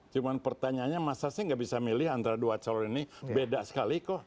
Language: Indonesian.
cuma pertanyaannya masa sih nggak bisa milih antara dua calon ini beda sekali kok